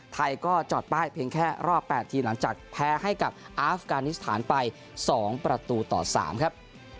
ไทยก็จอดป้ายเพียงแค่รอบ๘ทีหลังจากแพ้ให้กับอาฟกานิสถานไป๒ประตูต่อ๓ครับ